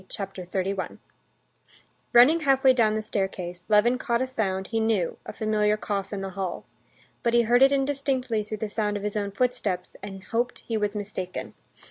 Chapter 31 Running halfway down the staircase, Levin caught a sound he knew, a familiar cough in the hall. But he heard it indistinctly through the sound of his own footsteps, and hoped he was mistaken.